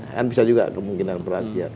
kan bisa juga kemungkinan perhatian